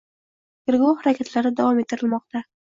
Tergov harakatlari davom ettirilmoqda.